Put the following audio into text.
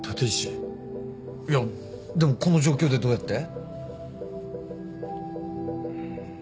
いやでもこの状況でどうやって？